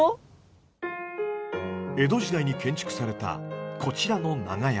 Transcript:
江戸時代に建築されたこちらの長屋。